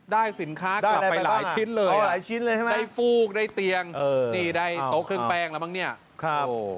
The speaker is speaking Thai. ได้สินค้ากลับไปหลายชิ้นเลยได้ฟูกได้เตียงได้โต๊ะเครื่องแปงแล้วบ้างนี่โอ้โฮ